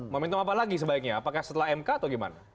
momentum apa lagi sebaiknya apakah setelah mk atau gimana